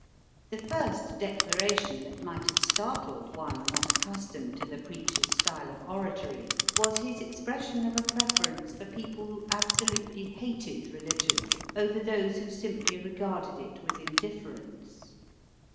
The first declaration that might have startled one not accustomed to the preacher's style of oratory was his expression of a preference for people who absolutely hated religion over those who simply regarded it with indifference.